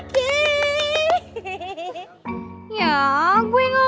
kamu saya masukkan di tim cadangan